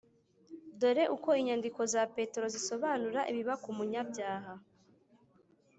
dore uko inyandiko za petero zisobanura ibiba ku munyabyaha: